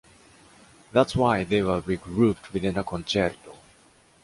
That’s why they were regrouped within a concerto.